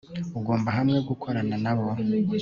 Ugomba hamwe gukorana nabo